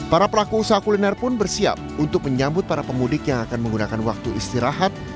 para pelaku usaha kuliner pun bersiap untuk menyambut para pemudik yang akan menggunakan waktu istirahat